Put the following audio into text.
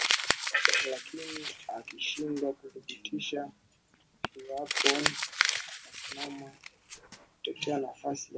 lakini akishindwa kuthibitisha iwapo atasimama kutetea nafasi yake kwenye kinyanganyiro cha uchaguzi mkuu ujao